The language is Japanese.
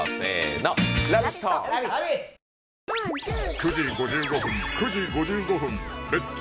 ９時５５分９時５５分「レッツ！